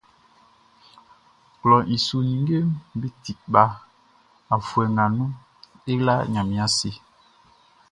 Klɔʼn i su ninngeʼm be ti kpa afuɛ nga nun, e la Ɲanmiɛn ase.